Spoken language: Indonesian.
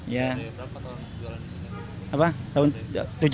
berapa tahun jualan disini